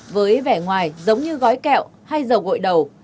với vẻ ngoài giống như gói kẹo hay dầu gội đầu